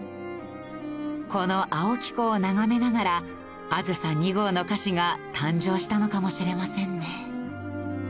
この青木湖を眺めながら『あずさ２号』の歌詞が誕生したのかもしれませんね。